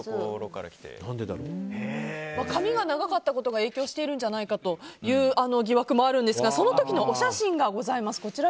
髪が長かったことが影響しているんじゃないかという疑惑もあるんですがその時のお写真がございます。